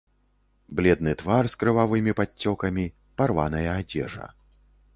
Бледны твар з крывавымі падцёкамі, парваная адзежа.